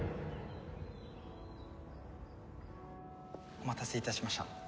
お待たせ致しました。